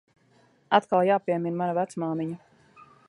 Atkal jāpiemin mana vecmāmiņa.